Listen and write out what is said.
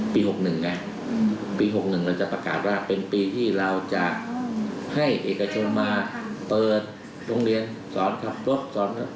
๖๑ไงปี๖๑เราจะประกาศว่าเป็นปีที่เราจะให้เอกชนมาเปิดโรงเรียนสอนขับรถ